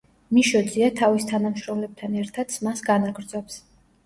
მიშო ძია თავის თანამშრომლებთან ერთად სმას განაგრძობს.